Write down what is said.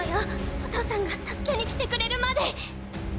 お父さんが助けに来てくれるまで！